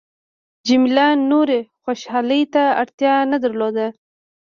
جميله نورې خوشحالۍ ته اړتیا نه درلوده.